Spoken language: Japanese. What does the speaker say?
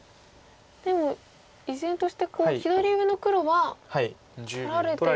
でも依然として左上の黒は取られてるんですよね。